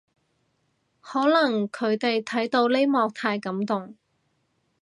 可能佢哋睇到呢幕太感動